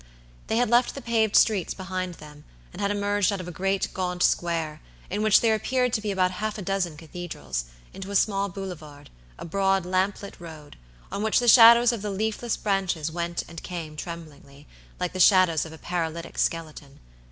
They had left the paved streets behind them, and had emerged out of a great gaunt square, in which there appeared to be about half a dozen cathedrals, into a small boulevard, a broad lamp lit road, on which the shadows of the leafless branches went and came tremblingly, like the shadows of a paralytic skeleton.